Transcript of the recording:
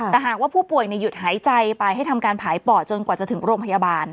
แต่หากว่าผู้ป่วยหยุดหายใจไปให้ทำการผ่ายปอดจนกว่าจะถึงโรงพยาบาล